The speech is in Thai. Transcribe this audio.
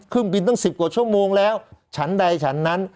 เครื่องบินตั้ง๑๐กว่าชั่วโมงแล้วฉันใดฉันนั้น